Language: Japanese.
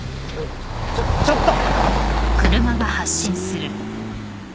ちょっちょっと！